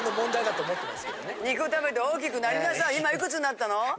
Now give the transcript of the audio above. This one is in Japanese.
今いくつになったの？